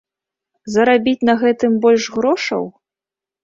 Зарабіць на гэтым больш грошаў?